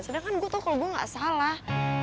sedangkan gua tau kalo gua gak salah